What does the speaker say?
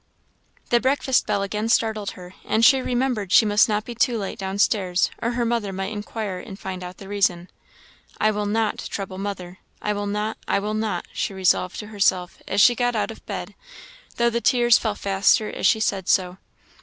The breakfast bell again startled her, and she remembered she must not be too late down stairs, or her mother might inquire and find out the reason. "I will not trouble mother I will not I will not!" she resolved to herself as she got out of bed, though the tears fell faster as she said so.